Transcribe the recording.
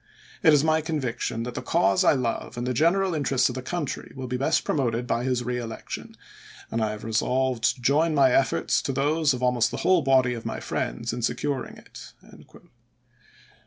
.. It is my convic tion that the cause I love and the general interests of the country will be best promoted by his re election, and I have resolved to join my efforts to those of almost the whole body of my friends in securing it."